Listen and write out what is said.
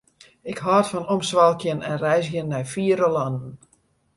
Ik hâld fan omswalkjen en reizgjen nei fiere lannen.